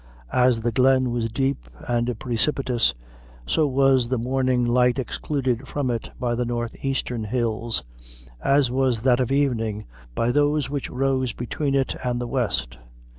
As the glen was deep and precipitous, so was the morning light excluded from it by the northeastern hills, as was that of evening by those which rose between it and the west.